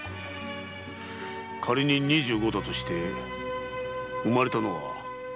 仮に二十五だとして生まれたのは？